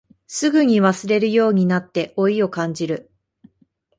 すぐに忘れるようになって老いを感じる